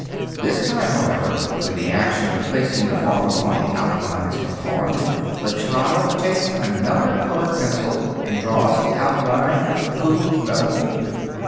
This time, however, when the action of placing the form upon the outline is performed, the child takes another colored pencil and draws the outline of the blue metal figure.